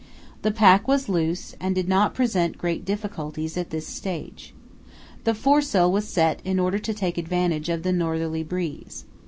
The pack was loose and did not present great difficulties at this stage. The foresail was set in order to take advantage of the northerly breeze.